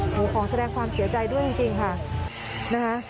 โอ้โฮของแสดงความเสียใจด้วยจริงค่ะ